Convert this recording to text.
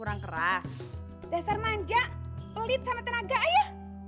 kurang keras dasar manja pelit sama tenaga ayo